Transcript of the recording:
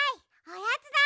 おやつだ！